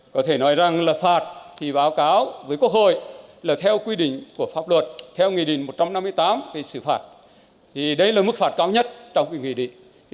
có thể nói rằng là phạt thì báo cáo với quốc hội là theo quy định của pháp luật theo nghị định một trăm năm mươi tám về xử phạt thì đây là mức phạt cao nhất trong nghị định